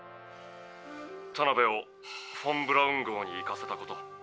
タナベをフォン・ブラウン号に行かせたこと。